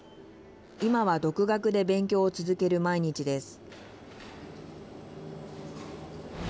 今は独学で勉強を続ける毎日です。